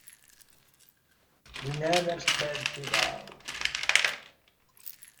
He never spelt it out.